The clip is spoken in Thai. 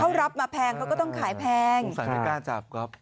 เขารับมาแพงเขาก็ต้องขายแพงสงสัยไม่กล้าจับก๊อฟ